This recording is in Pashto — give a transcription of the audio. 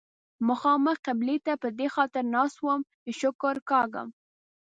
مخامخ قبلې ته په دې خاطر ناست وم چې شکر کاږم.